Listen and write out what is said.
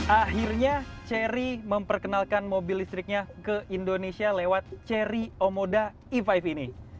akhirnya cherry memperkenalkan mobil listriknya ke indonesia lewat cherry omoda e lima ini